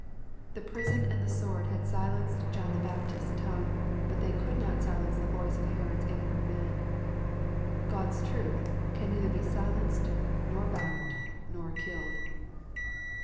The prison and the sword had silenced John the Baptist's tongue, but they could not silence the voice of Herod's inward man. God's truth can neither be silenced, nor bound, nor killed.